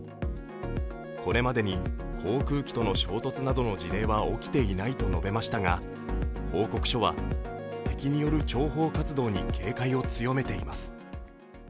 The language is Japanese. これまでに航空機との衝突などの事例は起きていないと述べましたが報告書は敵による諜報活動に警戒を強めています。